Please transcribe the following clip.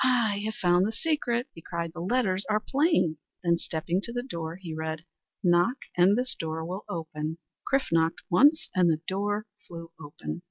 "I have found the secret!" he cried, "the letters are plain." Then stepping to the door, he read: "Knock and this door will open." Chrif knocked once, and the door flew open.